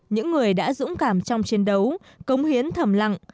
những người đã dũng cảm trong chiến đấu công hiến thầm lặng